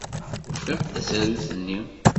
Ufiɣ-d tasarut-nni.